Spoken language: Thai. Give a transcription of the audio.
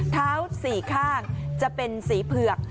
เท้าสี่ข้างจะเป็นสีเผือก